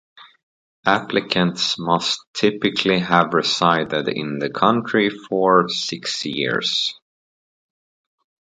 Applicants must typically have resided in the country for six years.